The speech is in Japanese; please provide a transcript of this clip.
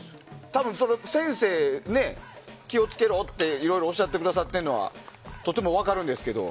先生、気をつけろっていろいろおっしゃってくださっているのはとても分かるんですけど。